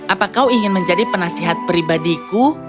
apa kau ingin menjadi penasihat pribadiku